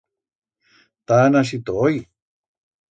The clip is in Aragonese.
Ta án has ito hoi?